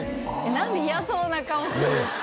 何で嫌そうな顔するんですか？